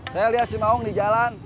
saya lihat si maung di jalan